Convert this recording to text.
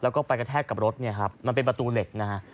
แล้วก็ไปกระแทกกับรถเนี่ยครับมันเป็นประตูเหล็กนะฮะ